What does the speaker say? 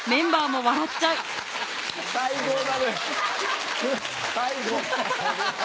最高だね。